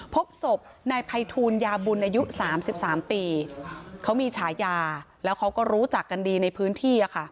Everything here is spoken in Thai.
พบศพในภัยทูลยาบุญอายุสามสิบสามปีเขามีฉายาแล้วเขาก็รู้จักกันดีในพื้นที่ค่ะ